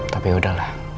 tapi ya udahlah